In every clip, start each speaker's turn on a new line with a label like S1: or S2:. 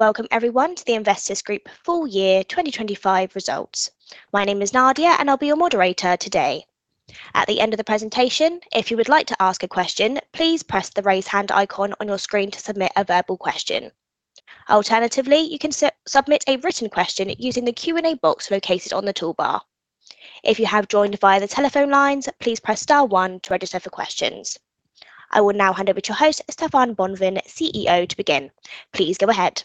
S1: Welcome everyone to the Investis Group full year 2025 results. My name is Nadia, and I'll be your moderator today. At the end of the presentation, if you would like to ask a question, please press the raise hand icon on your screen to submit a verbal question. Alternatively, you can submit a written question using the Q&A box located on the toolbar. If you have joined via the telephone lines, please press star one to register for questions. I will now hand over to host, Stéphane Bonvin, CEO, to begin. Please go ahead.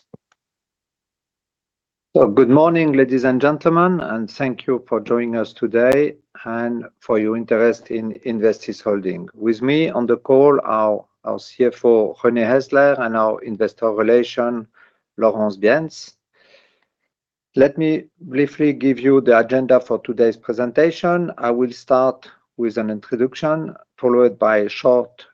S2: Well, good morning, ladies and gentlemen, and thank you for joining us today and for your interest in Investis Holding. With me on the call, our CFO, René Häsler, and our Investor Relations, Laurence Bienz. Let me briefly give you the agenda for today's presentation. I will start with an introduction, followed by a short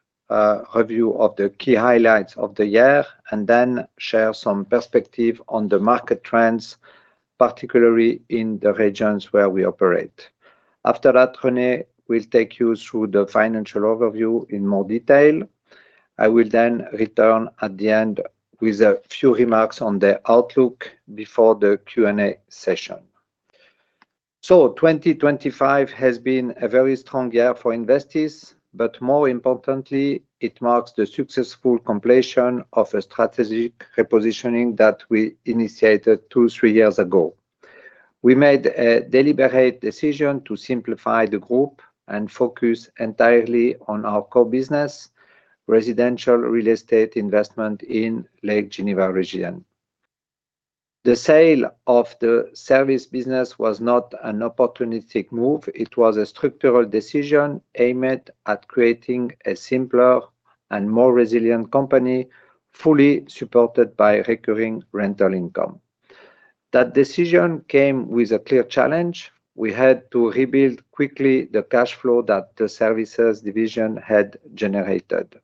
S2: review of the key highlights of the year, and then share some perspective on the market trends, particularly in the regions where we operate. After that, René will take you through the financial overview in more detail. I will then return at the end with a few remarks on the outlook before the Q&A session. 2025 has been a very strong year for Investis, but more importantly, it marks the successful completion of a strategic repositioning that we initiated two, three years ago. We made a deliberate decision to simplify the group and focus entirely on our core business, residential real estate investment in Lake Geneva region. The sale of the service business was not an opportunistic move. It was a structural decision aimed at creating a simpler and more resilient company, fully supported by recurring rental income. That decision came with a clear challenge. We had to rebuild quickly the cash flow that the services division had generated.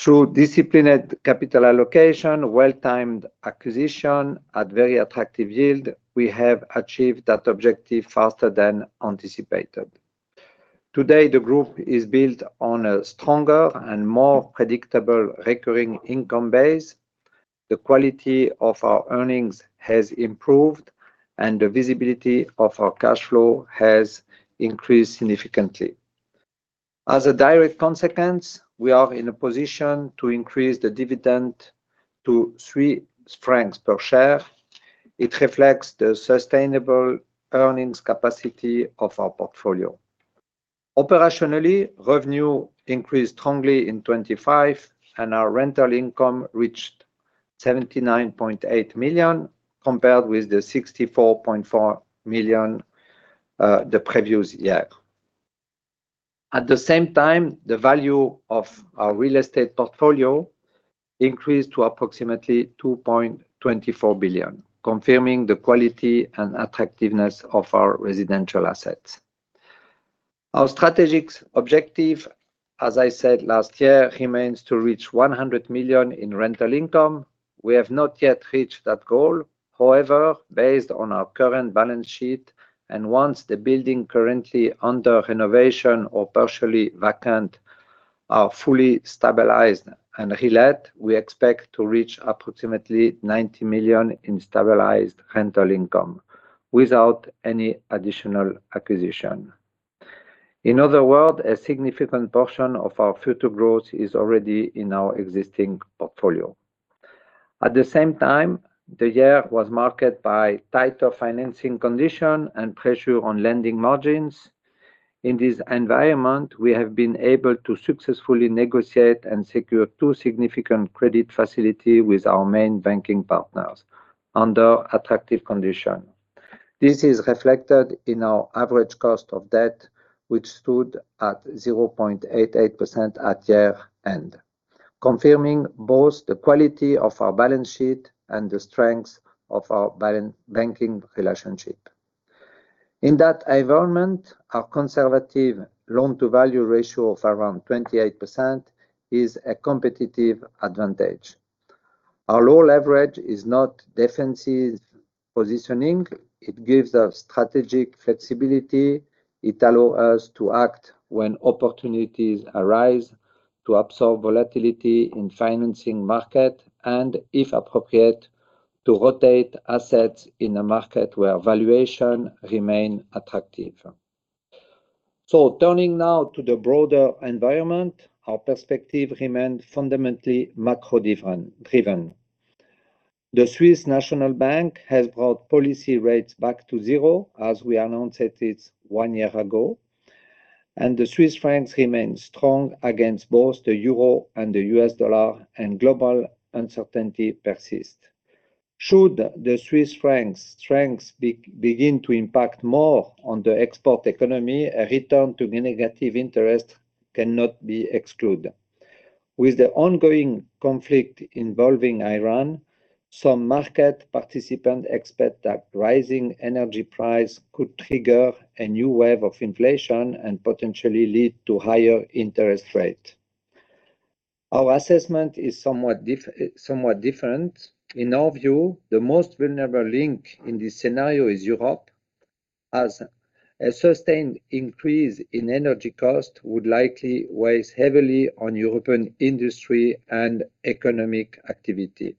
S2: Through disciplined capital allocation, well-timed acquisition at very attractive yield, we have achieved that objective faster than anticipated. Today, the group is built on a stronger and more predictable recurring income base. The quality of our earnings has improved, and the visibility of our cash flow has increased significantly. As a direct consequence, we are in a position to increase the dividend to 3 francs per share. It reflects the sustainable earnings capacity of our portfolio. Operationally, revenue increased strongly in 2025, and our rental income reached 79.8 million compared with the 64.4 million the previous year. At the same time, the value of our real estate portfolio increased to approximately 2.24 billion, confirming the quality and attractiveness of our residential assets. Our strategic objective, as I said last year, remains to reach 100 million in rental income. We have not yet reached that goal. However, based on our current balance sheet, and once the building currently under renovation or partially vacant are fully stabilized and relet, we expect to reach approximately 90 million in stabilized rental income without any additional acquisition. In other words, a significant portion of our future growth is already in our existing portfolio. At the same time, the year was marked by tighter financing conditions and pressure on lending margins. In this environment, we have been able to successfully negotiate and secure two significant credit facilities with our main banking partners under attractive conditions. This is reflected in our average cost of debt, which stood at 0.88% at year-end, confirming both the quality of our balance sheet and the strength of our banking relationship. In that environment, our conservative loan-to-value ratio of around 28% is a competitive advantage. Our low leverage is not defensive positioning. It gives us strategic flexibility. It allow us to act when opportunities arise to absorb volatility in financing markets and, if appropriate, to rotate assets in a market where valuations remain attractive. Turning now to the broader environment, our perspective remain fundamentally macro-driven. The Swiss National Bank has brought policy rates back to 0, as we announced it one year ago. The Swiss francs remain strong against both the euro and the U.S. dollar, and global uncertainty persist. Should the Swiss francs strengths begin to impact more on the export economy, a return to negative interest cannot be excluded. With the ongoing conflict involving Iran, some market participants expect that rising energy price could trigger a new wave of inflation and potentially lead to higher interest rate. Our assessment is somewhat different. In our view, the most vulnerable link in this scenario is Europe. As a sustained increase in energy cost would likely weigh heavily on European industry and economic activity.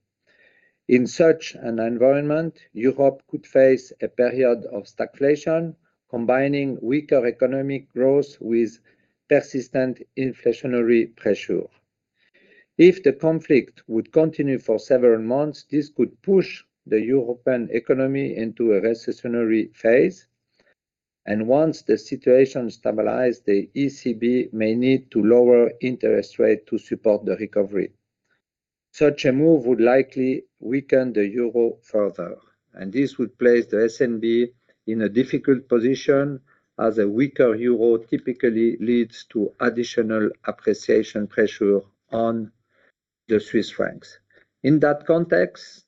S2: In such an environment, Europe could face a period of stagflation, combining weaker economic growth with persistent inflationary pressure. If the conflict would continue for several months, this could push the European economy into a recessionary phase. Once the situation stabilizes, the ECB may need to lower interest rates to support the recovery. Such a move would likely weaken the euro further, and this would place the SNB in a difficult position as a weaker euro typically leads to additional appreciation pressure on the Swiss francs. In that context,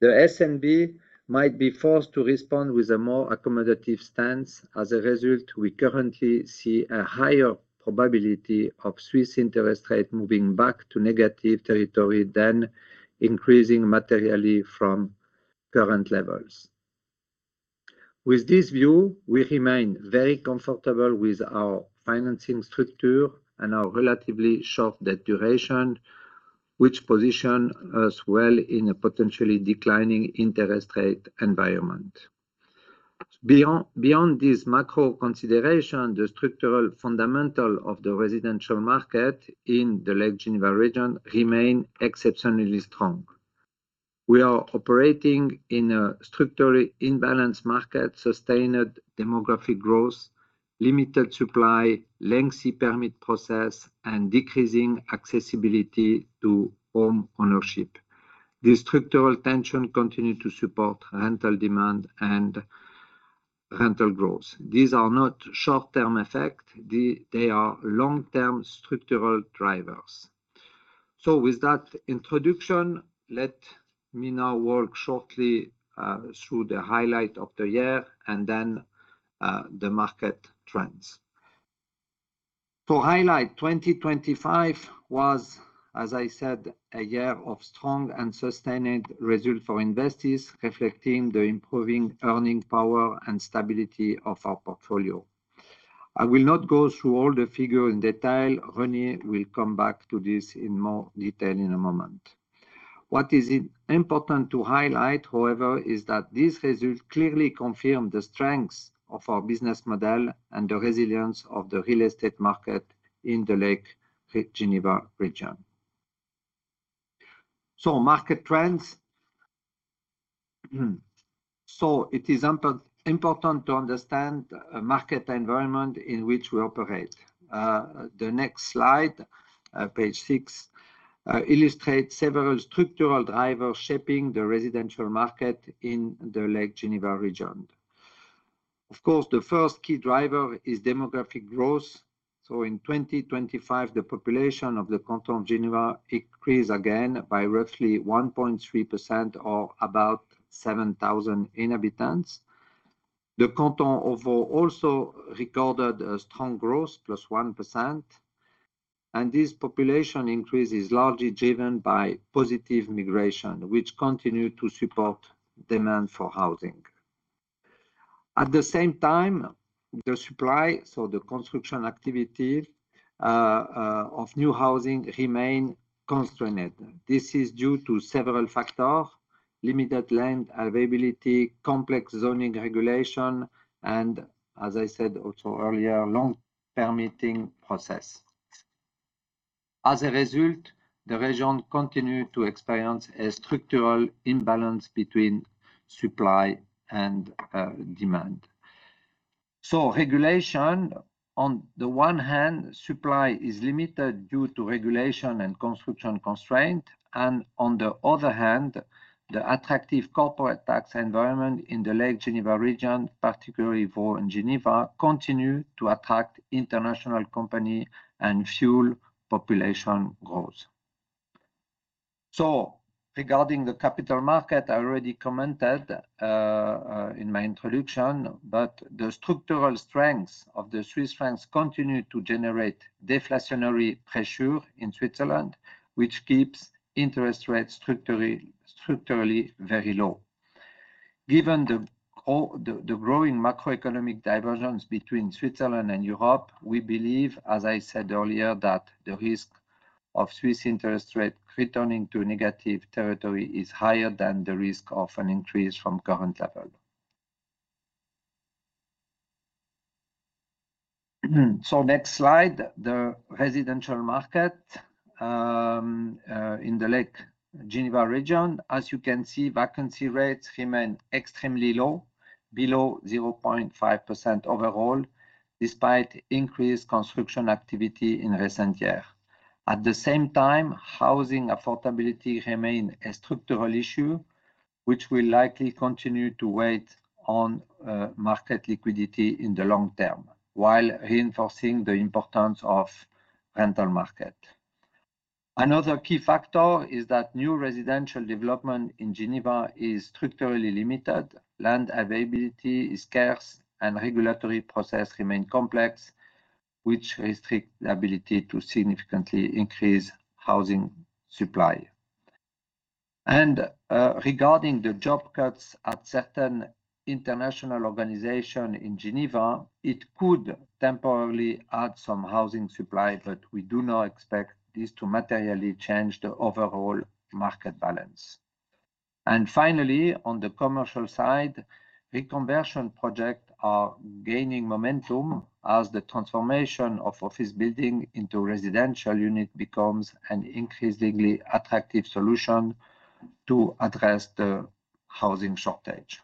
S2: the SNB might be forced to respond with a more accommodative stance. As a result, we currently see a higher probability of Swiss interest rates moving back to negative territory than increasing materially from current levels. With this view, we remain very comfortable with our financing structure and our relatively short debt duration, which position us well in a potentially declining interest rate environment. Beyond this macro consideration, the structural fundamental of the residential market in the Lake Geneva region remain exceptionally strong. We are operating in a structurally imbalanced market, sustained demographic growth, limited supply, lengthy permit process, and decreasing accessibility to homeownership. The structural tension continue to support rental demand and rental growth. These are not short-term effect. They are long-term structural drivers. With that introduction, let me now walk shortly through the highlight of the year and then the market trends. To highlight, 2025 was, as I said, a year of strong and sustained results for investors, reflecting the improving earning power and stability of our portfolio. I will not go through all the figures in detail. René will come back to this in more detail in a moment. What is important to highlight, however, is that these results clearly confirm the strength of our business model and the resilience of the real estate market in the Lake Geneva region. Market trends. It is important to understand a market environment in which we operate. The next slide, page six, illustrates several structural drivers shaping the residential market in the Lake Geneva region. Of course, the first key driver is demographic growth. In 2025, the population of the Canton of Geneva increased again by roughly 1.3% or about 7,000 inhabitants. The Canton of Vaud also recorded a strong growth, +1%. This population increase is largely driven by positive migration, which continue to support demand for housing. At the same time, the supply, so the construction activity, of new housing remain constrained. This is due to several factors, limited land availability, complex zoning regulation, and as I said also earlier, long permitting process. As a result, the region continue to experience a structural imbalance between supply and, demand. On the one hand, supply is limited due to regulation and construction constraint. On the other hand, the attractive corporate tax environment in the Lake Geneva region, particularly Vaud and Geneva, continue to attract international company and fuel population growth. Regarding the capital market, I already commented in my introduction, but the structural strength of the Swiss francs continue to generate deflationary pressure in Switzerland, which keeps interest rates structurally very low. Given the growing macroeconomic divergence between Switzerland and Europe, we believe, as I said earlier, that the risk of Swiss interest rates returning to negative territory is higher than the risk of an increase from current level. Next slide. The residential market in the Lake Geneva region. As you can see, vacancy rates remain extremely low, below 0.5% overall, despite increased construction activity in recent years. At the same time, housing affordability remain a structural issue, which will likely continue to weigh on market liquidity in the long term, while reinforcing the importance of rental market. Another key factor is that new residential development in Geneva is structurally limited. Land availability is scarce and regulatory processes remain complex, which restricts the ability to significantly increase housing supply. Regarding the job cuts at certain international organizations in Geneva, it could temporarily add some housing supply, but we do not expect this to materially change the overall market balance. Finally, on the commercial side, reconversion projects are gaining momentum as the transformation of office buildings into residential units becomes an increasingly attractive solution to address the housing shortage.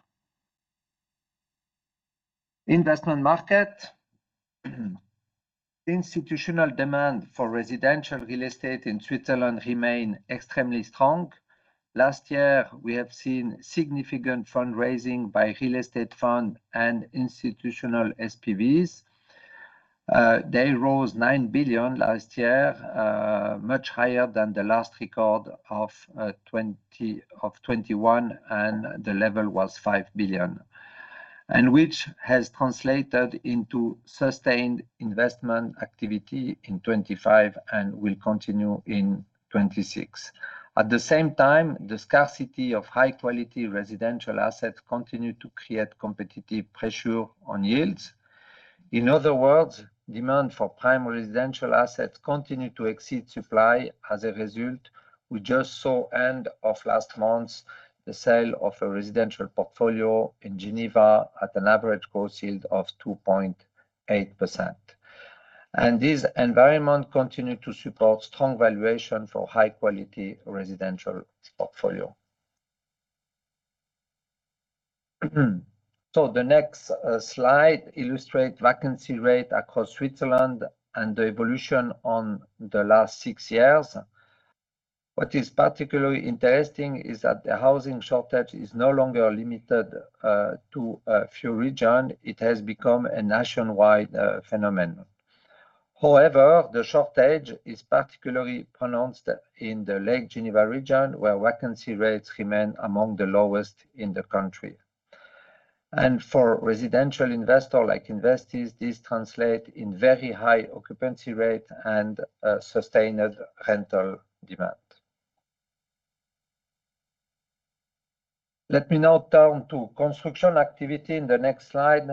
S2: Investment market. Institutional demand for residential real estate in Switzerland remains extremely strong. Last year, we have seen significant fundraising by real estate funds and institutional SPVs. They rose 9 billion last year, much higher than the last record of 2021, and the level was 5 billion. Which has translated into sustained investment activity in 2025 and will continue in 2026. At the same time, the scarcity of high-quality residential assets continue to create competitive pressure on yields. In other words, demand for prime residential assets continue to exceed supply. As a result, we just saw end of last month the sale of a residential portfolio in Geneva at an average gross yield of 2.8%. This environment continue to support strong valuation for high-quality residential portfolio. The next slide illustrate vacancy rate across Switzerland and the evolution on the last six years. What is particularly interesting is that the housing shortage is no longer limited to a few region. It has become a nationwide phenomenon. However, the shortage is particularly pronounced in the Lake Geneva region, where vacancy rates remain among the lowest in the country. For residential investors like Investis, this translates in very high occupancy rates and sustained rental demand. Let me now turn to construction activity in the next slide,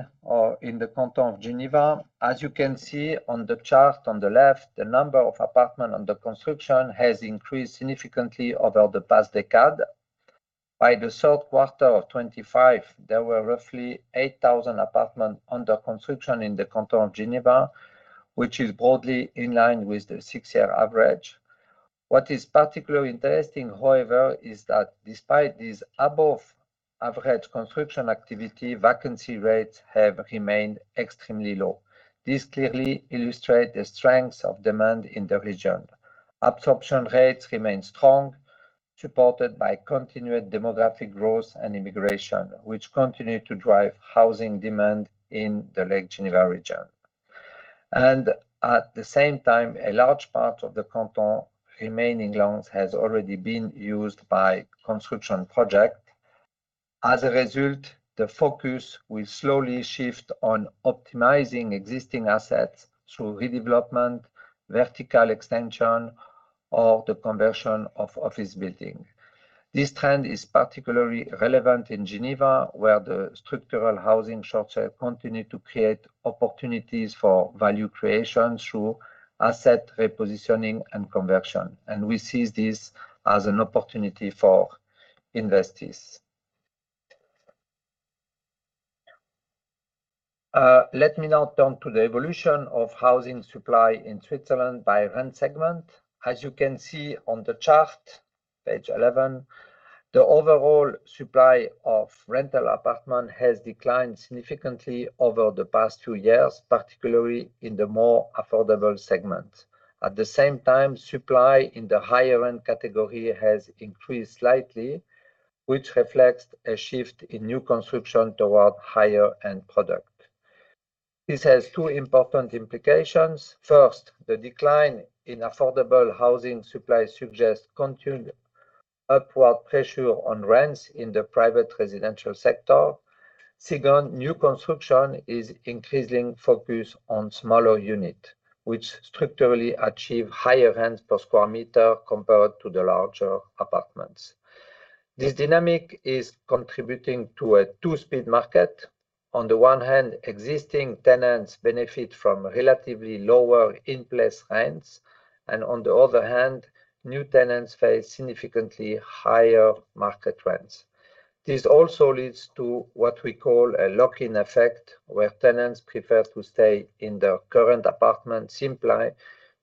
S2: in the Canton of Geneva. As you can see on the chart on the left, the number of apartments under construction has increased significantly over the past decade. By the third quarter of 2025, there were roughly 8,000 apartments under construction in the Canton of Geneva, which is broadly in line with the six-year average. What is particularly interesting, however, is that despite this above average construction activity, vacancy rates have remained extremely low. This clearly illustrates the strength of demand in the region. Absorption rates remain strong, supported by continued demographic growth and immigration, which continue to drive housing demand in the Lake Geneva region. At the same time, a large part of the canton remaining loans has already been used by construction project. As a result, the focus will slowly shift on optimizing existing assets through redevelopment, vertical extension or the conversion of office building. This trend is particularly relevant in Geneva, where the structural housing shortage continue to create opportunities for value creation through asset repositioning and conversion. We see this as an opportunity for Investis. Let me now turn to the evolution of housing supply in Switzerland by rent segment. As you can see on the chart, page 11, the overall supply of rental apartment has declined significantly over the past two years, particularly in the more affordable segment. At the same time, supply in the higher end category has increased slightly, which reflects a shift in new construction toward higher end product. This has two important implications. First, the decline in affordable housing supply suggests continued upward pressure on rents in the private residential sector. Second, new construction is increasingly focused on smaller units, which structurally achieve higher rents per square meter compared to the larger apartments. This dynamic is contributing to a two-speed market. On the one hand, existing tenants benefit from relatively lower in-place rents. On the other hand, new tenants face significantly higher market rents. This also leads to what we call a lock-in effect, where tenants prefer to stay in their current apartment simply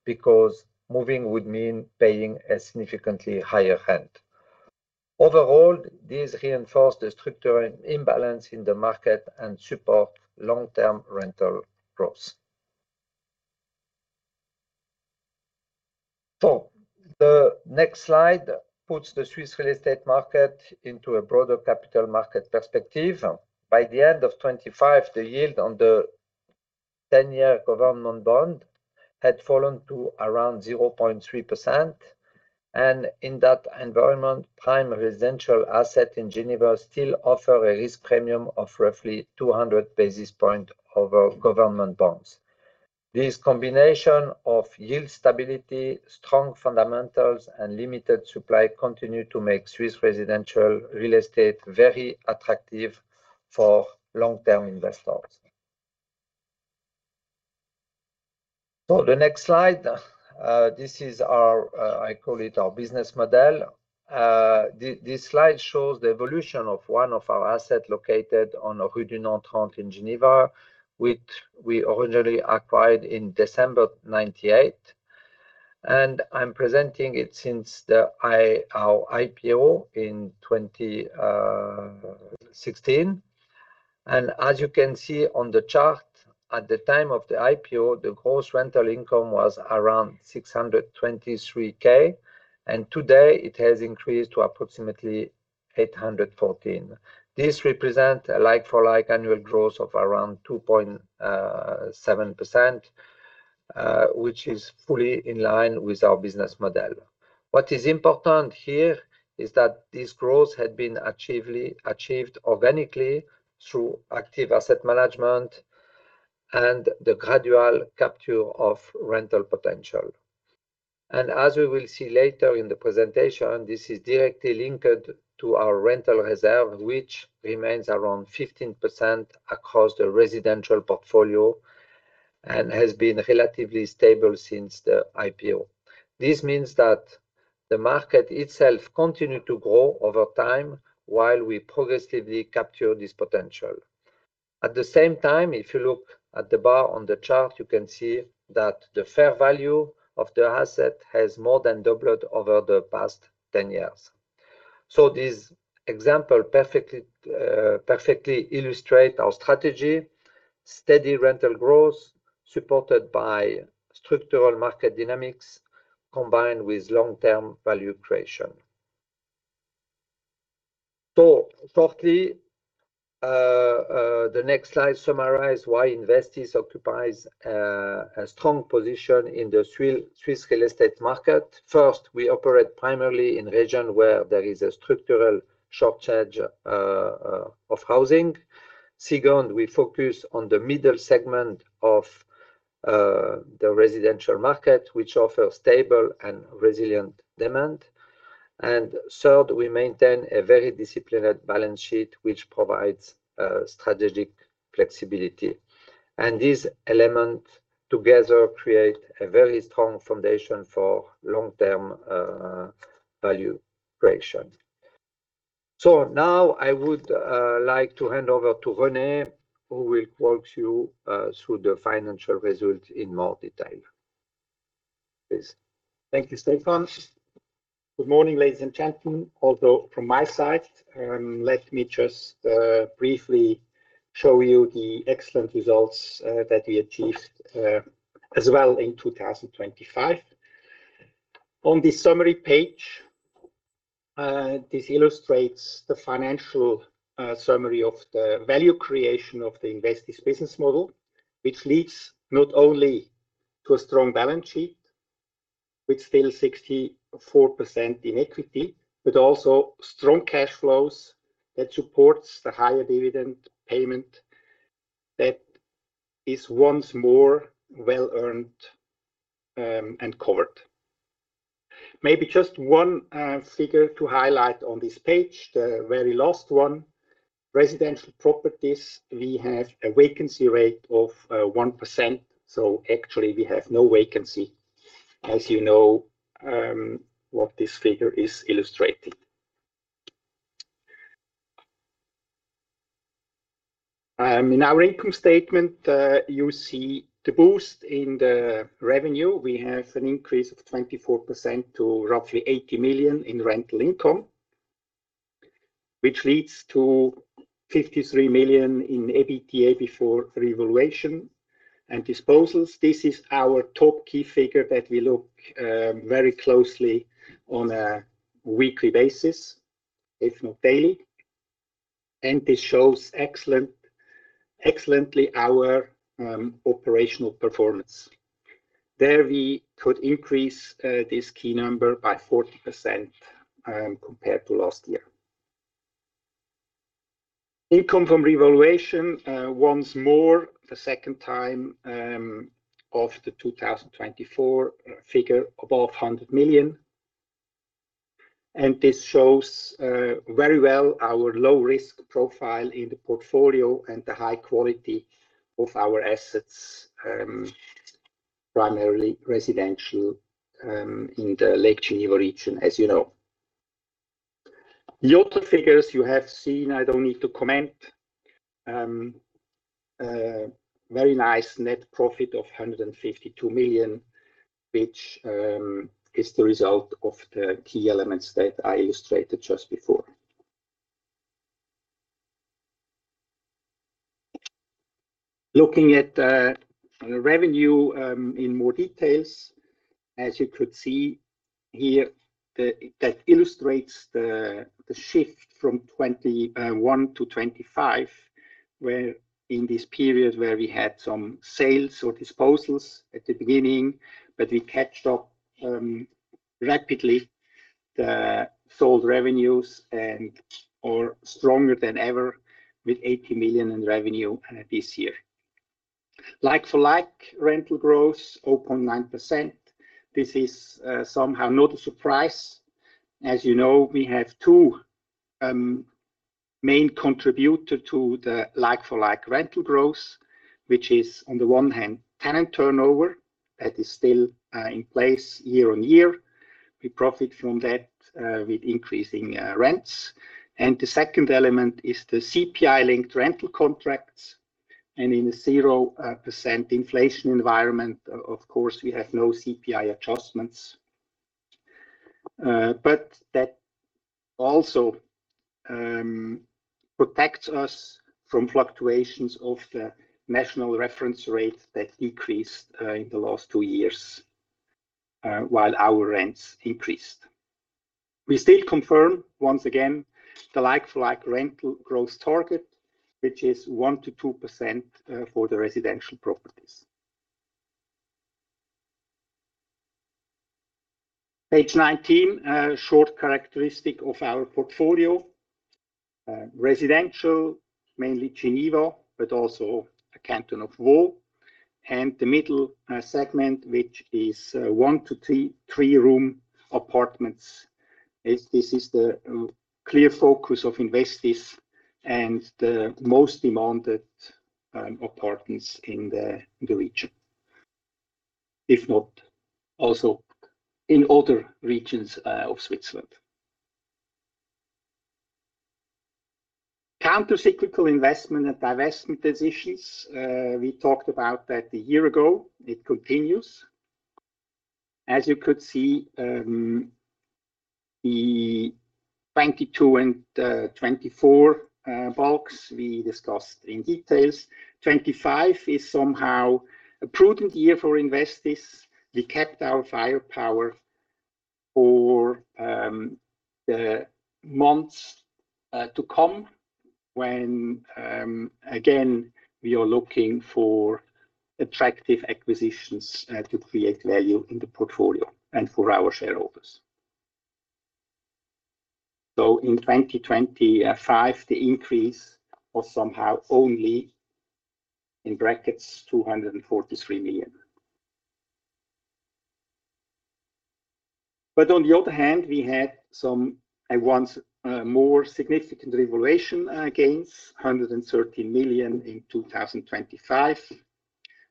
S2: because moving would mean paying a significantly higher rent. Overall, this reinforces the structural imbalance in the market and supports long-term rental growth. The next slide puts the Swiss real estate market into a broader capital market perspective. By the end of 2025, the yield on the ten-year government bond had fallen to around 0.3%. In that environment, prime residential assets in Geneva still offer a risk premium of roughly 200 basis points over government bonds. This combination of yield stability, strong fundamentals, and limited supply continues to make Swiss residential real estate very attractive for long-term investors. The next slide, this is our business model. I call it our business model. This slide shows the evolution of one of our assets located on Rue du Nant in Geneva, which we originally acquired in December 1998. I'm presenting it since our IPO in 2016. As you can see on the chart, at the time of the IPO, the gross rental income was around 623,000. Today, it has increased to approximately 814,000. This represents a like-for-like annual growth of around 2.7%, which is fully in line with our business model. What is important here is that this growth had been achieved organically through active asset management and the gradual capture of rental potential. As we will see later in the presentation, this is directly linked to our rental reserve, which remains around 15% across the residential portfolio and has been relatively stable since the IPO. This means that the market itself continued to grow over time while we progressively capture this potential. At the same time, if you look at the bar on the chart, you can see that the fair value of the asset has more than doubled over the past 10 years. This example perfectly illustrates our strategy, steady rental growth, supported by structural market dynamics, combined with long-term value creation. In short, the next slide summarizes why Investis occupies a strong position in the Swiss real estate market. First, we operate primarily in a region where there is a structural shortage of housing. Second, we focus on the middle segment of the residential market, which offers stable and resilient demand. Third, we maintain a very disciplined balance sheet, which provides strategic flexibility. These elements together create a very strong foundation for long-term value creation. Now I would like to hand over to René, who will walk you through the financial results in more detail. Please.
S3: Thank you, Stéphane. Good morning, ladies and gentlemen. Although from my side, let me just briefly show you the excellent results that we achieved as well in 2025. On this summary page, this illustrates the financial summary of the value creation of the Investis business model, which leads not only to a strong balance sheet, with still 64% in equity, but also strong cash flows that supports the higher dividend payment that is once more well earned and covered. Maybe just one figure to highlight on this page, the very last one. Residential properties, we have a vacancy rate of 1%. So actually we have no vacancy, as you know, what this figure is illustrating. In our income statement, you see the boost in the revenue. We have an increase of 24% to roughly 80 million in rental income, which leads to 53 million in EBITDA before revaluation and disposals. This is our top key figure that we look very closely on a weekly basis, if not daily. This shows excellently our operational performance. There we could increase this key number by 40%, compared to last year. Income from revaluation, once more, the second time, of the 2024 figure above 100 million. This shows very well our low risk profile in the portfolio and the high quality of our assets, primarily residential, in the Lake Geneva region, as you know. The other figures you have seen, I don't need to comment. Very nice net profit of 152 million, which is the result of the key elements that I illustrated just before. Looking at the revenue in more details, as you could see here, that illustrates the shift from 2021 to 2025, where in this period we had some sales or disposals at the beginning, but we caught up rapidly the lost revenues and are stronger than ever with 80 million in revenue this year. Like-for-like rental growth, 0.9%. This is somehow not a surprise. As you know, we have two main contributor to the like-for-like rental growth, which is on the one hand, tenant turnover. That is still in place year-on-year. We profit from that with increasing rents. The second element is the CPI-linked rental contracts. In a 0% inflation environment, of course, we have no CPI adjustments. But that also protects us from fluctuations of the national reference rate that decreased in the last two years while our rents increased. We still confirm, once again, the like-for-like rental growth target, which is 1%-2% for the residential properties. Page 19, a short characteristic of our portfolio. Residential, mainly Geneva, but also a Canton of Vaud. The middle segment, which is one to three-room apartments, is the clear focus of Investis and the most demanded apartments in the region. If not, also in other regions of Switzerland. Countercyclical investment and divestment decisions, we talked about that a year ago. It continues. As you could see, the 2022 and 2024 builds we discussed in detail. 2025 is somehow a prudent year for Investis. We kept our firepower for the months to come when again we are looking for attractive acquisitions to create value in the portfolio and for our shareholders. In 2025, the increase was somehow only CHF 243 million. On the other hand, we had some, once more, significant revaluation gains, 130 million in 2025.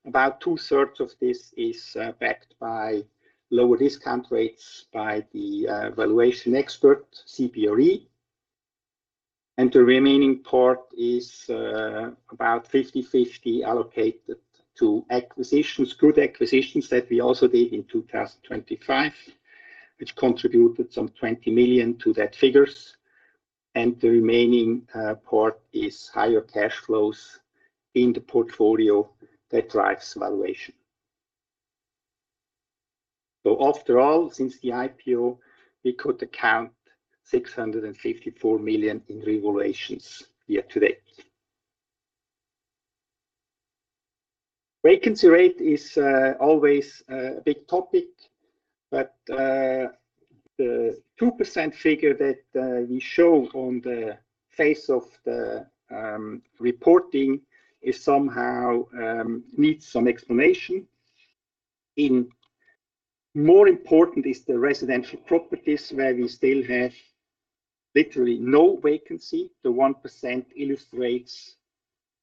S3: About two-thirds of this is backed by lower discount rates by the valuation expert, CBRE. The remaining part is about 50/50 allocated to acquisitions, good acquisitions that we also did in 2025, which contributed some 20 million to those figures. The remaining part is higher cash flows in the portfolio that drives valuation. After all, since the IPO, we could account 654 million in revaluations year to date. Vacancy rate is always a big topic, but the 2% figure that we show on the face of the reporting is somehow needs some explanation. More important is the residential properties where we still have literally no vacancy. The 1% illustrates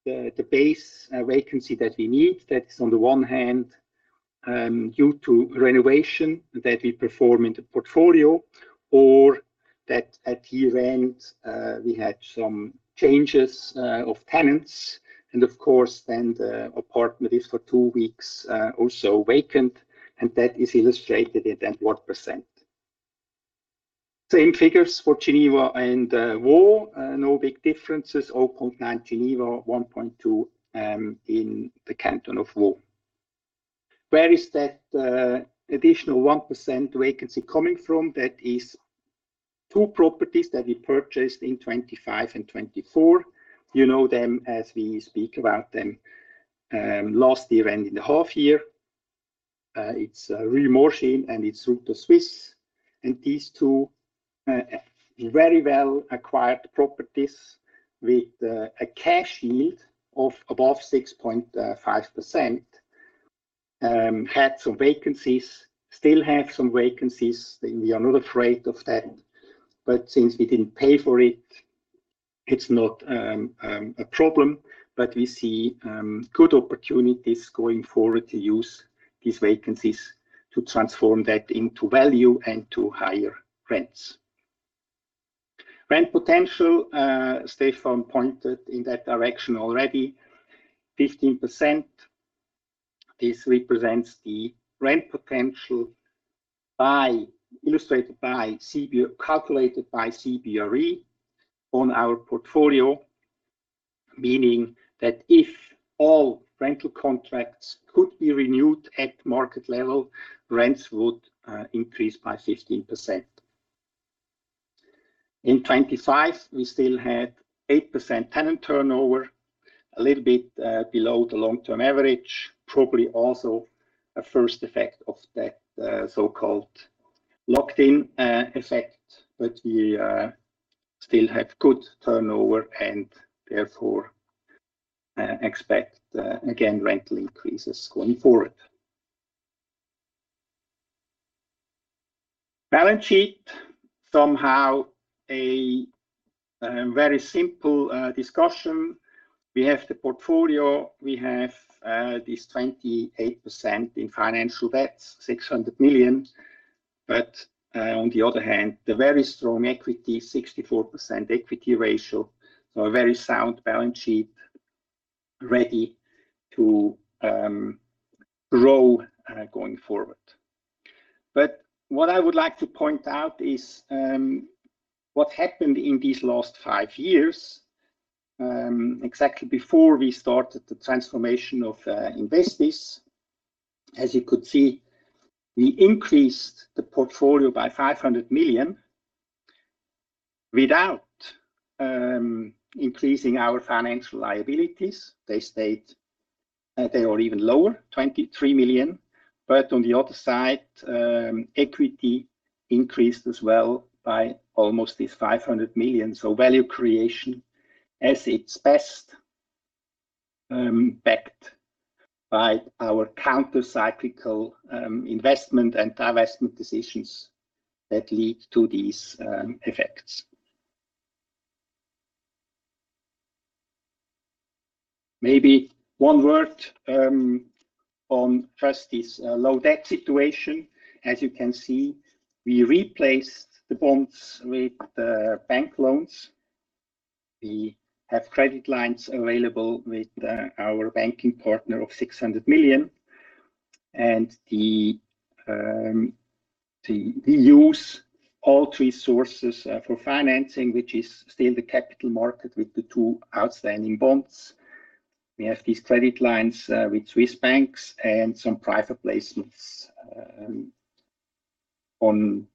S3: the base vacancy that we need. That is on the one hand due to renovation that we perform in the portfolio, or that at year-end we had some changes of tenants. Of course then the apartment is for two weeks also vacant, and that is illustrated at 1%. Same figures for Geneva and Vaud. No big differences, 0.9% Geneva, 1.2% in the Canton of Vaud. Where is that additional 1% vacancy coming from? That is two properties that we purchased in 2025 and 2024. You know them as we speak about them last year and in the half year. It's Rue Morsier and Route des Suisses. These two very well-acquired properties with a cash yield of above 6.5% had some vacancies, still have some vacancies. We are not afraid of that. Since we didn't pay for it's not a problem. We see good opportunities going forward to use these vacancies to transform that into value and to higher rents. Rent potential. Stéphane pointed in that direction already, 15%. This represents the rent potential illustrated by CBRE calculated by CBRE on our portfolio, meaning that if all rental contracts could be renewed at market level, rents would increase by 15%. In 2025, we still had 8% tenant turnover, a little bit below the long-term average. Probably also a first effect of that so-called lock-in effect. We still have good turnover and therefore expect again rental increases going forward. Balance sheet, somehow a very simple discussion. We have the portfolio, we have this 28% in financial debt, 600 million. On the other hand, the very strong equity, 64% equity ratio. A very sound balance sheet ready to grow going forward. What I would like to point out is what happened in these last five years, exactly before we started the transformation of Investis. As you could see, we increased the portfolio by 500 million without increasing our financial liabilities. They stayed. They were even lower, 23 million. On the other side, equity increased as well by almost this 500 million. Value creation at its best, backed by our counter-cyclical investment and divestment decisions that lead to these effects. Maybe one word on just this low debt situation. As you can see, we replaced the bonds with bank loans. We have credit lines available with our banking partner of 600 million. We use all three sources for financing, which is still the capital market with the two outstanding bonds. We have these credit lines with Swiss banks and some private placements on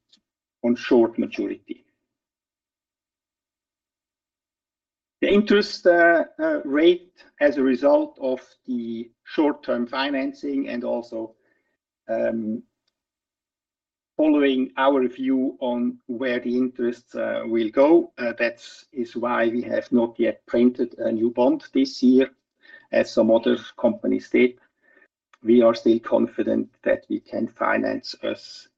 S3: short maturity. The interest rate as a result of the short-term financing and also following our view on where the interest rates will go. That is why we have not yet printed a new bond this year, as some other companies did. We are still confident that we can finance us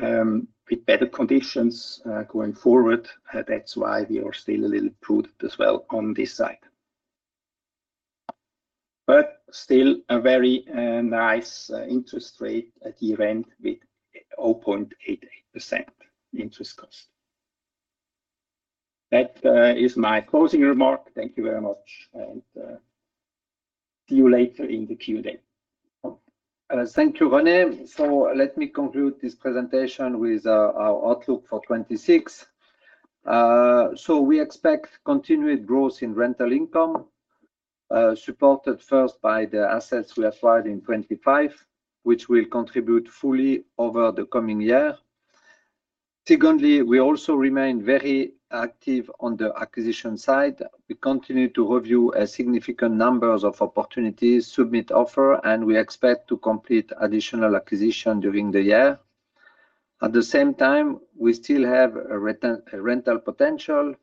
S3: with better conditions going forward. That is why we are still a little prudent as well on this side. Still a very nice interest rate at year-end with 0.88% interest cost. That is my closing remark. Thank you very much, and see you later in the Q&A.
S2: Thank you, René. Let me conclude this presentation with our outlook for 2026. We expect continued growth in rental income, supported first by the assets we acquired in 2025, which will contribute fully over the coming year. Secondly, we also remain very active on the acquisition side. We continue to review a significant number of opportunities, submit offers, and we expect to complete additional acquisitions during the year. At the same time, we still have a rental potential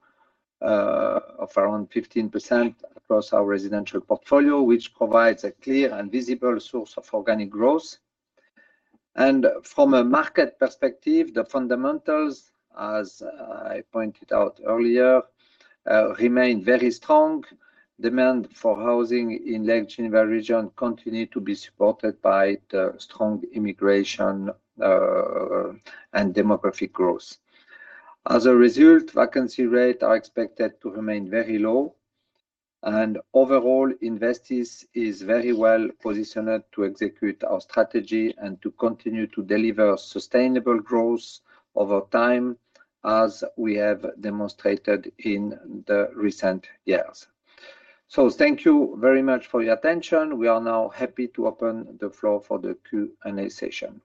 S2: of around 15% across our residential portfolio, which provides a clear and visible source of organic growth. From a market perspective, the fundamentals, as I pointed out earlier, remain very strong. Demand for housing in Lake Geneva region continue to be supported by the strong immigration and demographic growth. As a result, vacancy rates are expected to remain very low. Overall, Investis is very well positioned to execute our strategy and to continue to deliver sustainable growth over time, as we have demonstrated in the recent years. Thank you very much for your attention. We are now happy to open the floor for the Q&A session.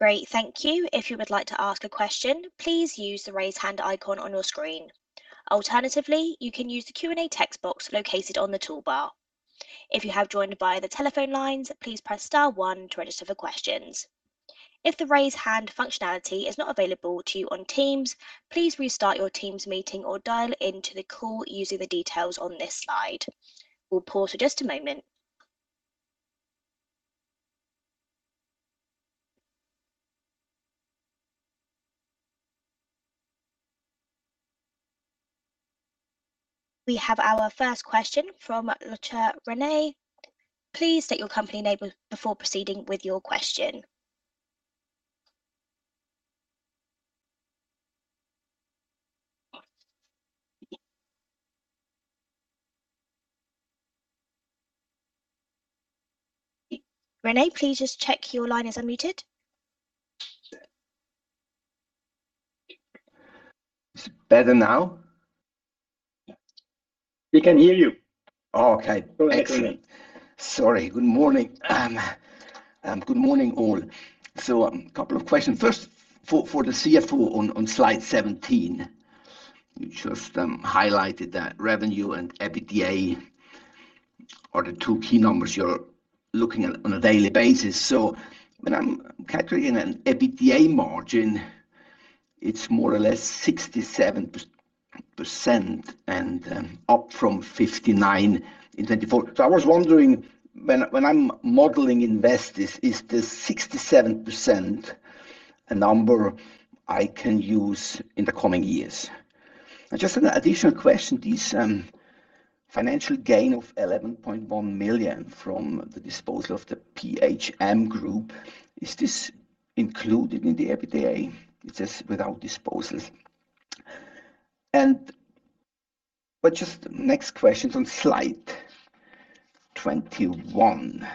S1: Great. Thank you. If you would like to ask a question, please use the raise hand icon on your screen. Alternatively, you can use the Q&A text box located on the toolbar. If you have joined by the telephone lines, please press star one to register for questions. If the raise hand functionality is not available to you on Teams, please restart your Teams meeting or dial into the call using the details on this slide. We'll pause for just a moment. We have our first question from René Locher. Please state your company name before proceeding with your question. René, please just check your line is unmuted.
S4: Is it better now?
S3: We can hear you.
S4: Oh, okay.
S3: Go ahead.
S4: Excellent. Sorry. Good morning, all. A couple of questions. First, for the CFO on slide 17, you just highlighted that revenue and EBITDA are the two key numbers you're looking at on a daily basis. When I'm calculating an EBITDA margin, it's more or less 67% and up from 59% in 2024. I was wondering when I'm modeling Investis, is the 67% a number I can use in the coming years? Just an additional question, this financial gain of 11.1 million from the disposal of the PHM Group, is this included in the EBITDA? It says without disposals. Next question is on slide 21.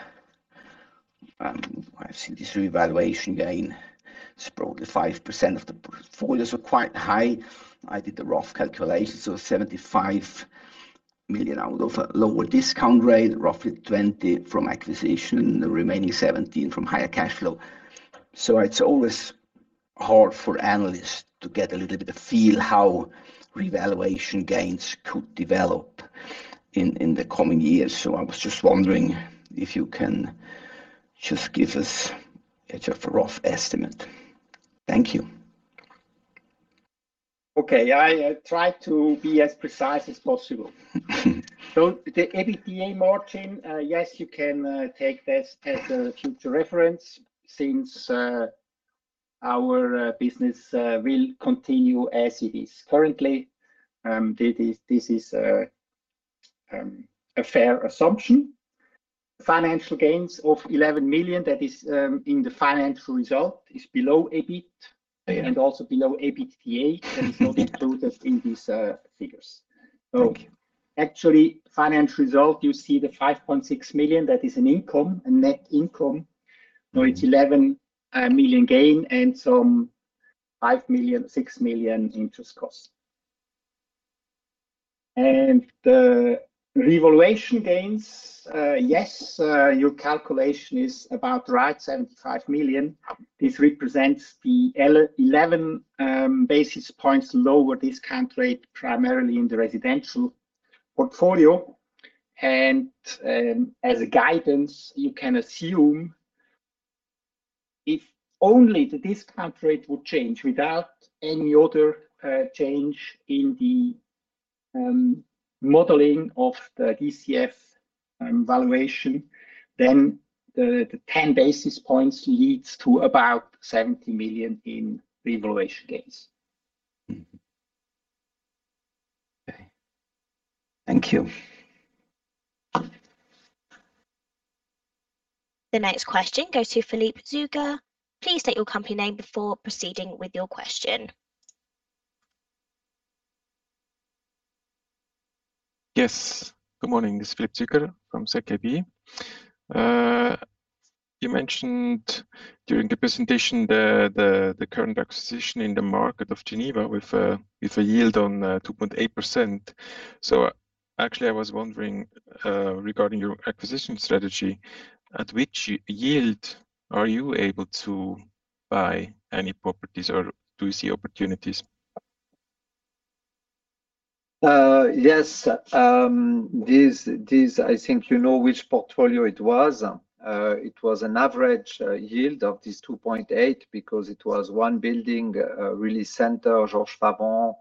S4: I've seen this revaluation gain is probably 5% of the portfolios are quite high. I did a rough calculation, so 75 million out of a lower discount rate, roughly 20 million from acquisition, and the remaining 17 million from higher cash flow. It's always hard for analysts to get a little bit of feel how revaluation gains could develop in the coming years. I was just wondering if you can just give us just a rough estimate. Thank you.
S3: Okay. I try to be as precise as possible. The EBITDA margin, yes, you can take this as a future reference since our business will continue as it is currently. This is a fair assumption. Financial gains of 11 million, that is, in the financial result is below EBIT.
S4: Yeah.
S3: Also below EBITDA. That is not included in these figures.
S4: Thank you.
S3: Actually, financial result, you see the 5.6 million. That is an income, a net income. Now it's 11 million gain and some 5 million, 6 million interest cost. The revaluation gains, yes, your calculation is about right, 75 million. This represents the 11 basis points lower discount rate primarily in the residential portfolio. As a guidance, you can assume if only the discount rate would change without any other change in the modeling of the DCF and valuation, then the 10 basis points leads to about 70 million in revaluation gains.
S4: Mm-hmm. Okay. Thank you.
S1: The next question goes to Philippe Züger. Please state your company name before proceeding with your question.
S5: Yes. Good morning. It's Philippe Züger from ZKB. You mentioned during the presentation the current acquisition in the market of Geneva with a yield on 2.8%. Actually I was wondering regarding your acquisition strategy, at which yield are you able to buy any properties or do you see opportunities?
S2: Yes. This I think you know which portfolio it was. It was an average yield of 2.8% because it was one building, really center Boulevard Georges-Favon,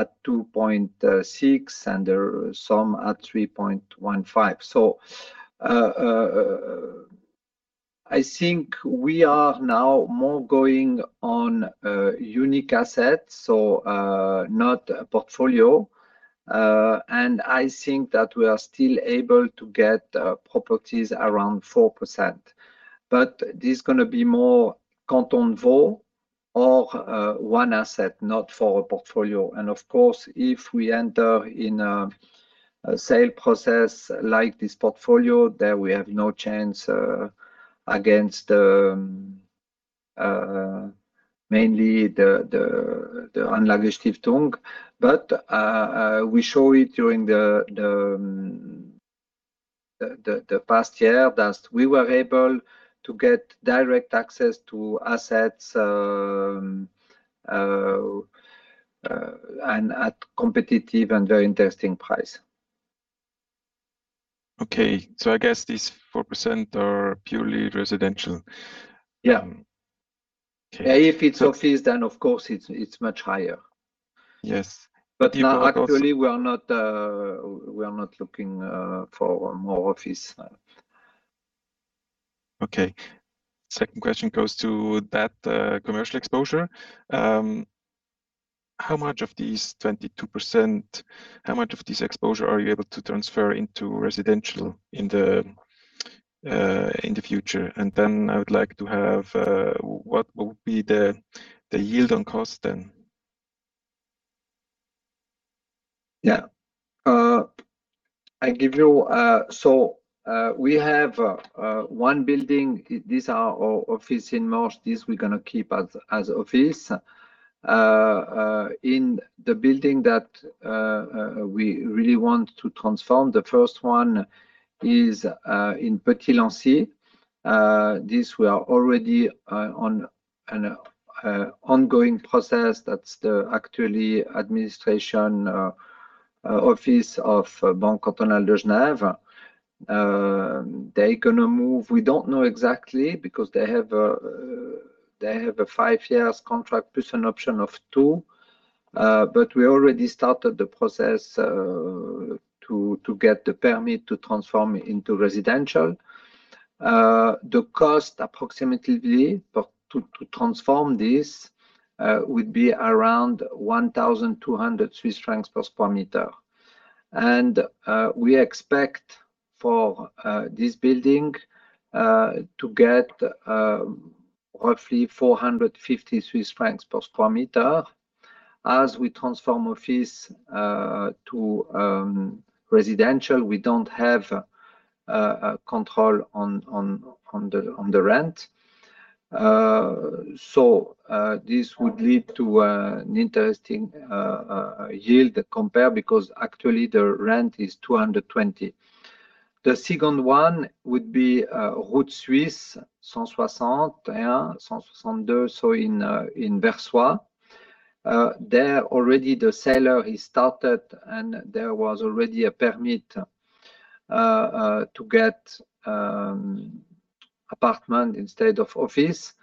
S2: at 2.6%, and then some at 3.15%. I think we are now more going on unique assets, not a portfolio. I think that we are still able to get properties around 4%. This is gonna be more Canton Vaud or one asset not for a portfolio. Of course, if we enter in a sale process like this portfolio, then we have no chance against mainly the Anlagestiftung. We show it during the past year that we were able to get direct access to assets and at competitive and very interesting price.
S5: Okay. I guess these 4% are purely residential.
S2: Yeah.
S5: Okay.
S2: If it's office, then of course it's much higher.
S5: Yes. People are also
S2: Now actually we are not looking for more office.
S5: Okay. Second question goes to that, commercial exposure. How much of these 22%, how much of this exposure are you able to transfer into residential in the future? I would like to have, what will be the yield on cost then?
S2: Yeah. We have one building. These are our office in Morges. These we're gonna keep as office. In the building that we really want to transform, the first one is in Petit-Lancy. This we are already on an ongoing process. That's the actually administration office of Banque Cantonale de Genève. They're gonna move. We don't know exactly because they have a five years contract plus an option of two. But we already started the process to get the permit to transform into residential. The cost approximately to transform this would be around 1,200 Swiss francs per square meter. We expect for this building to get roughly 450 Swiss francs per square meter. As we transform office to residential, we don't have control on the rent. This would lead to an interesting yield compare because actually the rent is 220. The second one would be Route des Suisses 161-162, in Versoix. There already the seller he started, and there was already a permit to get apartment instead of office.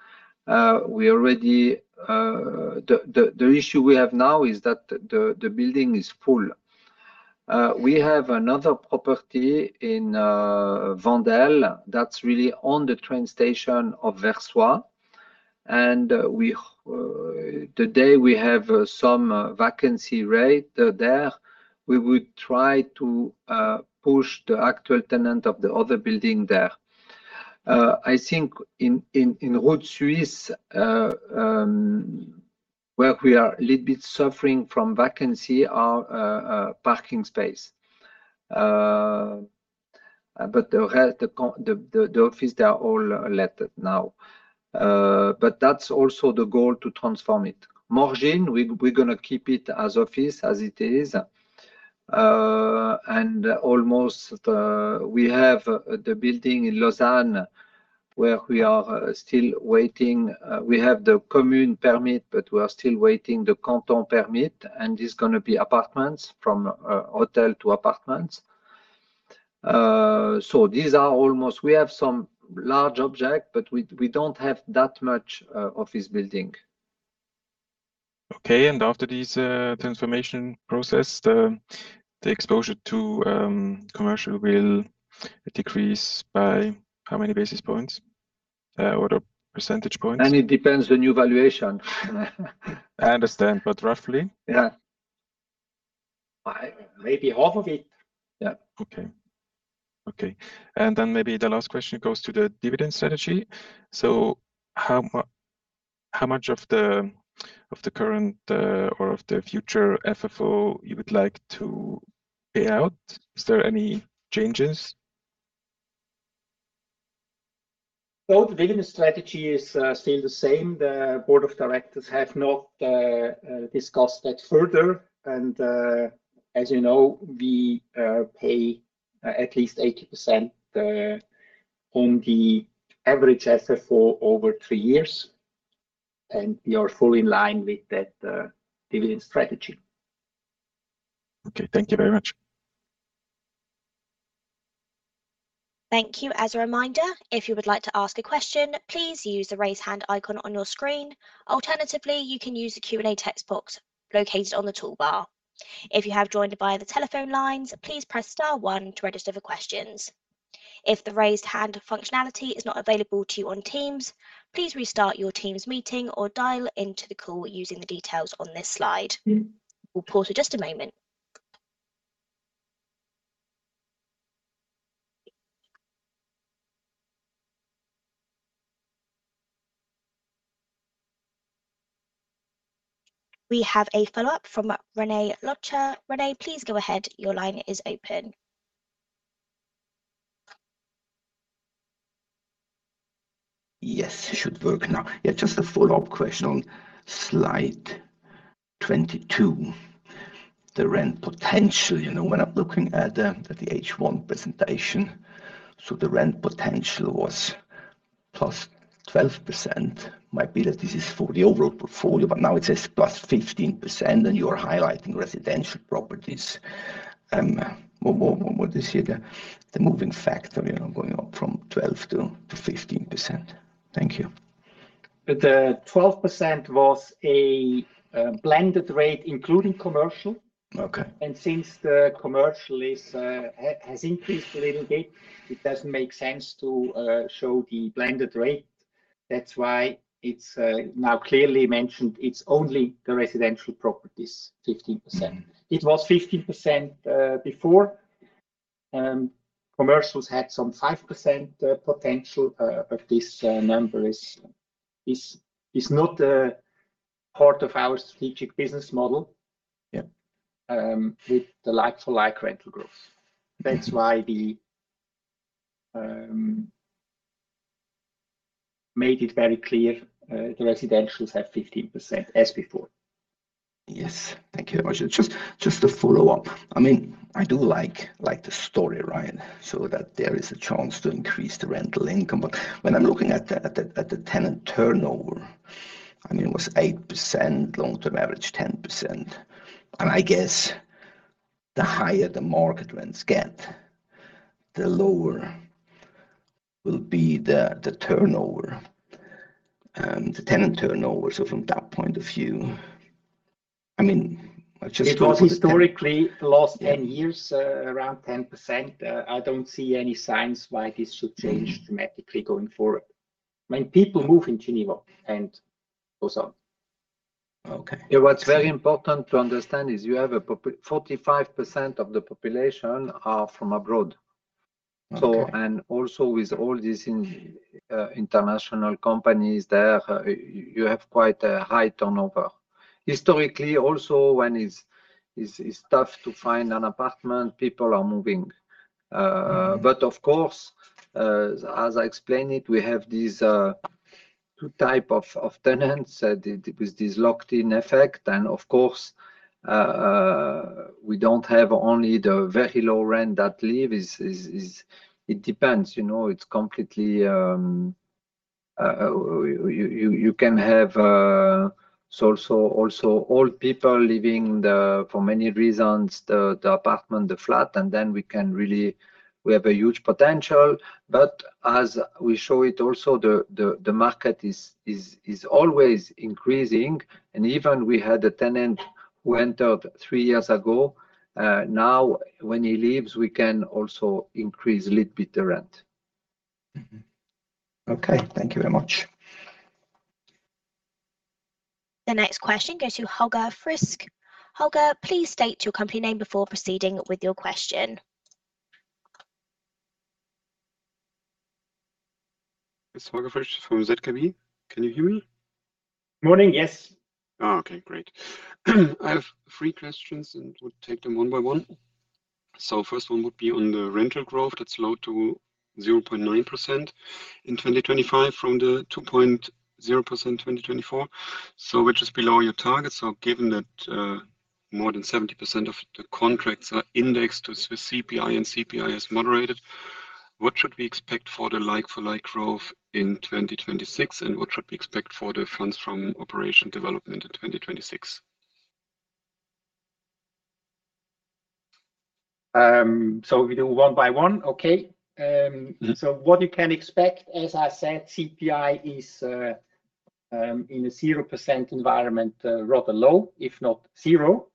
S2: We already. The issue we have now is that the building is full. We have another property in Vandelle that's really on the train station of Versoix. We. Today we have some vacancy rate there. We would try to push the actual tenant of the other building there. I think in Route des Suisses, where we are a little bit suffering from vacancy, our parking space. The office, they are all let now. That's also the goal to transform it. Morges, we're gonna keep it as office as it is. We have the building in Lausanne where we are still waiting. We have the commune permit, but we are still waiting the canton permit, and it's gonna be apartments. From a hotel to apartments. We have some large object, but we don't have that much office building.
S5: Okay. After this transformation process, the exposure to commercial will decrease by how many basis points? Or percentage points?
S2: It depends on new valuation.
S5: I understand, but roughly.
S2: Yeah. Maybe half of it. Yeah.
S5: Okay. Maybe the last question goes to the dividend strategy. How much of the current or of the future FFO you would like to pay out? Is there any changes?
S2: Well, the dividend strategy is still the same. The board of directors have not discussed that further. As you know, we pay at least 80% on the average FFO over three years. We are fully in line with that dividend strategy.
S5: Okay. Thank you very much.
S1: Thank you. As a reminder, if you would like to ask a question, please use the raise hand icon on your screen. Alternatively, you can use the Q&A text box located on the toolbar. If you have joined by the telephone lines, please press star one to register for questions. If the raise hand functionality is not available to you on Teams, please restart your Teams meeting or dial into the call using the details on this slide. We'll pause for just a moment. We have a follow-up from René Locher. René, please go ahead. Your line is open.
S4: Yes. It should work now. Yeah, just a follow-up question on slide 22. The rent potential. You know, when I'm looking at the H1 presentation, so the rent potential was +12%. Might be that this is for the overall portfolio, but now it says +15%, and you're highlighting residential properties. What is here? The moving factor, you know, going up from 12% to 15%. Thank you.
S3: The 12% was a blended rate, including commercial.
S4: Okay.
S3: Since the commercial has increased a little bit, it doesn't make sense to show the blended rate. That's why it's now clearly mentioned it's only the residential properties, 15%.
S4: Mm-hmm.
S3: It was 15% before. Commercials had some 5% potential. This number is not
S2: Part of our strategic business model.
S4: Yeah
S3: with the like-for-like rental growth. That's why we made it very clear, the residentials have 15% as before.
S4: Yes. Thank you very much. Just a follow-up. I mean, I do like the story, right? That there is a chance to increase the rental income. When I'm looking at the tenant turnover, I mean, it was 8%, long-term average 10%. I guess the higher the market rents get, the lower will be the turnover, the tenant turnover. From that point of view, I mean, I just.
S3: It was historically the last 10 years, around 10%. I don't see any signs why this should change dramatically going forward. I mean, people move in Geneva and also.
S4: Okay.
S2: Yeah, what's very important to understand is you have 45% of the population are from abroad.
S4: Okay.
S2: With all these international companies there, you have quite a high turnover. Historically also when it's tough to find an apartment, people are moving. Of course, as I explained it, we have these two type of tenants with this lock-in effect. Of course, we don't have only the very low rent that leave. It depends, you know, it's completely you can have so also old people leaving for many reasons the apartment, the flat. Then we can really we have a huge potential. As we show it also, the market is always increasing. Even we had a tenant who entered three years ago. Now when he leaves, we can also increase a little bit the rent.
S4: Okay. Thank you very much.
S1: The next question goes to Holger Frisch. Holger, please state your company name before proceeding with your question.
S6: It's Holger Frisch from ZKB. Can you hear me?
S3: Morning. Yes.
S6: I have three questions, and would take them one by one. First one would be on the rental growth that's low to 0.9% in 2025 from the 2.0% in 2024. Which is below your target. Given that, more than 70% of the contracts are indexed to, with CPI, and CPI is moderated, what should we expect for the like-for-like growth in 2026? And what should we expect for the funds from operation development in 2026?
S3: We do one by one. Okay.
S6: Mm-hmm
S3: What you can expect, as I said, CPI is in a 0% environment, rather low, if not zero.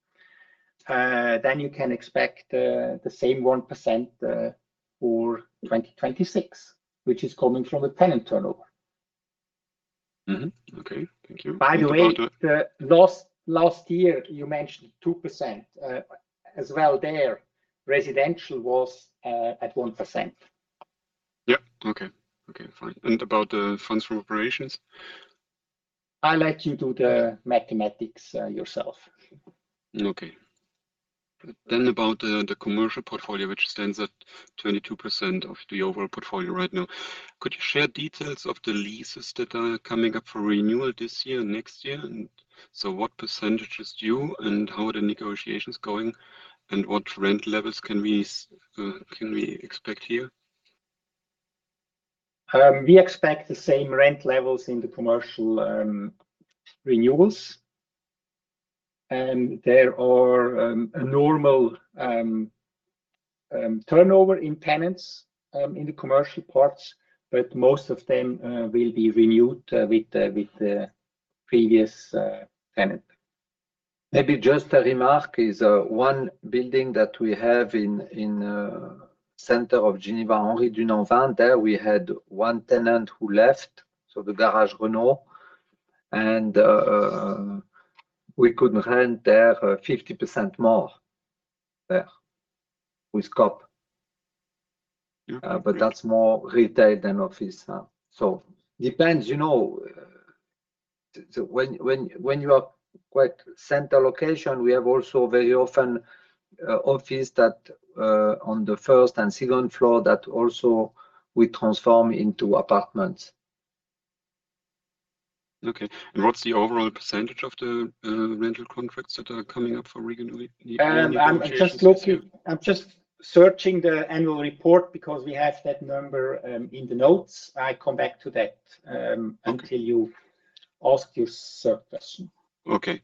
S3: You can expect the same 1% for 2026, which is coming from the tenant turnover.
S6: Okay. Thank you.
S3: By the way, the last year you mentioned 2%. As well there, residential was at 1%.
S6: Yeah. Okay. Okay, fine. About the funds from operations?
S3: I let you do the mathematics yourself.
S6: Okay. About the commercial portfolio, which stands at 22% of the overall portfolio right now. Could you share details of the leases that are coming up for renewal this year, next year, and so what percentage is due, and how are the negotiations going, and what rent levels can we expect here?
S3: We expect the same rent levels in the commercial renewals. There are a normal turnover in tenants in the commercial parts, but most of them will be renewed with the previous tenant. Maybe just a remark is one building that we have in center of Geneva, Henri-Dunant 20, we had one tenant who left, so the Garage Renault, and we could rent there 50% more with Coop.
S6: Okay.
S3: That's more retail than office. Depends, you know. When you are quite central location, we have also very often, office that on the first and second floor that also we transform into apartments.
S6: Okay. What's the overall percentage of the rental contracts that are coming up for renewal negotiation this year?
S3: I'm just looking. I'm just searching the annual report because we have that number in the notes. I come back to that.
S6: Okay
S3: until you ask your third question.
S6: Okay.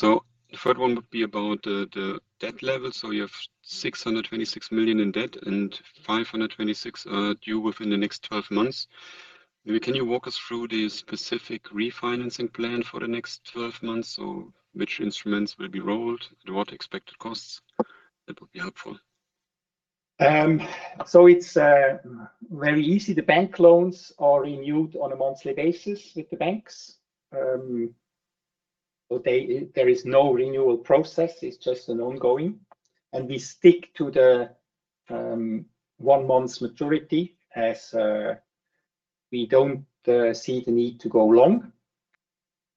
S6: The third one would be about the debt level. You have 626 million in debt and 526 million due within the next 12 months. Maybe can you walk us through the specific refinancing plan for the next 12 months or which instruments will be rolled and what expected costs? That would be helpful.
S3: It's very easy. The bank loans are renewed on a monthly basis with the banks. There is no renewal process. It's just an ongoing. We stick to the one month's maturity as we don't see the need to go long.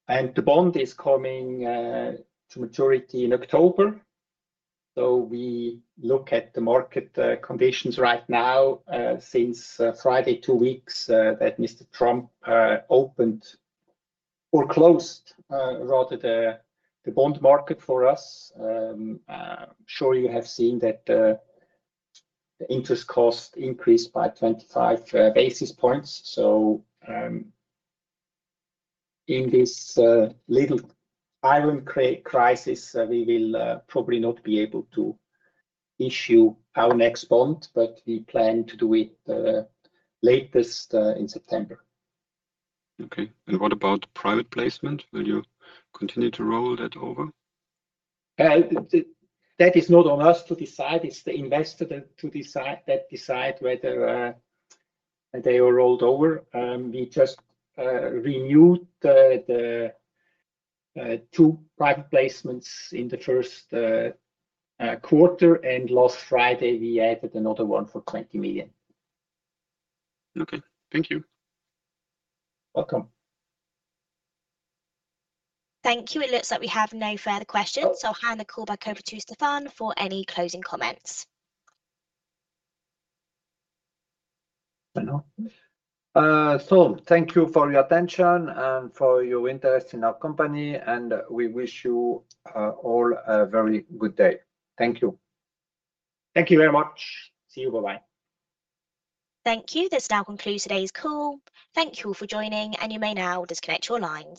S3: The bond is coming to maturity in October. We look at the market conditions right now since Friday two weeks that Mr. Trump opened or closed, rather the bond market for us. I'm sure you have seen that the interest cost increased by 25 basis points. In this little island crisis we will probably not be able to issue our next bond, but we plan to do it latest in September.
S6: Okay. What about private placement? Will you continue to roll that over?
S7: That is not on us to decide. It's the investor that decides whether they are rolled over. We just renewed the two private placements in the first quarter. Last Friday we added another one for 20 million.
S6: Okay. Thank you.
S7: Welcome.
S1: Thank you. It looks like we have no further questions. I'll hand the call back over to Stéphane for any closing comments.
S2: Hello. Thank you for your attention and for your interest in our company, and we wish you all a very good day. Thank you.
S3: Thank you very much. See you. Bye-bye.
S1: Thank you. This now concludes today's call. Thank you all for joining, and you may now disconnect your lines.